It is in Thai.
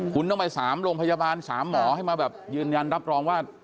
คุณต้องไป๓โรงพยาบาล๓หมอให้มาแบบยืนยันรับรองว่า